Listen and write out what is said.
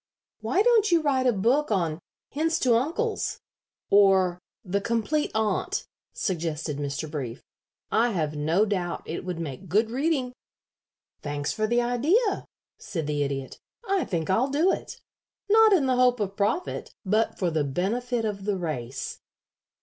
"Why don't you write a book on 'Hints to Uncles,' or 'The Complete Aunt,'" suggested Mr. Brief. "I have no doubt it would make good reading." "Thanks for the idea," said the Idiot. "I think I'll do it. Not in the hope of profit, but for the benefit of the race."